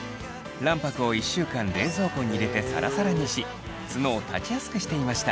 卵白を１週間冷蔵庫に入れてサラサラにしツノを立ちやすくしていました。